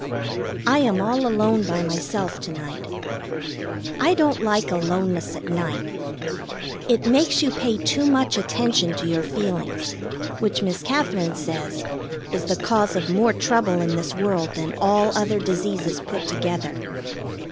I am all alone by myself to night. I don't like aloneness at night. It makes you pay too much attention to your feelings, which Miss Katherine says is the cause of more trouble in this world than all other diseases put together.